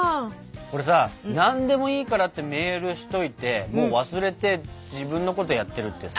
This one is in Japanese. これさ「何でもいいから」ってメールしといてもう忘れて自分のことやってるってさ。